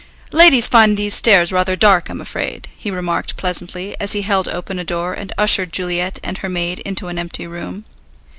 "Ladies find these stairs rather dark, I'm afraid," he remarked pleasantly, as he held open a door and ushered Juliet and her maid into an empty room.